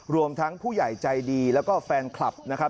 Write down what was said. รวมทั้งผู้ใหญ่ใจดีแล้วก็แฟนคลับนะครับ